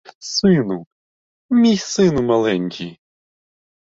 Сину, мій сину маленький!